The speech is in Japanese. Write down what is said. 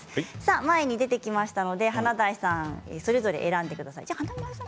前に出てきましたので華大さんそれぞれ選んでください。